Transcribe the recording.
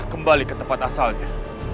kembali ke tempat asalnya